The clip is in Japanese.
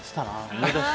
思い出した。